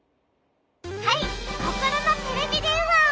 はいココロのテレビでんわ。